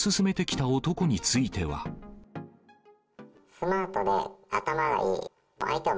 スマートで頭がいい、相手を